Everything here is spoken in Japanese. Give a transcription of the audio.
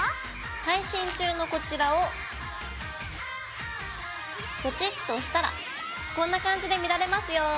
配信中のこちらをポチッと押したらこんな感じで見られますよ。